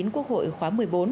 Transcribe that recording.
quốc hội khóa một mươi bốn